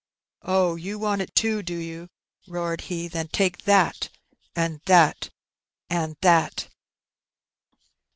" Oh, you want it too, do you ?" roared he. " Then take that, and that, and that."